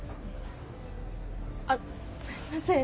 あっすいません。